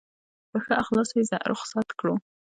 په ښه اخلاص یې رخصت کړو.